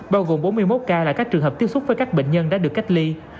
bao gồm bốn mươi một ca là các trường hợp tiếp xúc với các bệnh nhân đã được cách ly